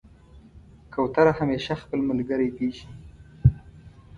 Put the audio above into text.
کوتره همیشه خپل ملګری پېژني.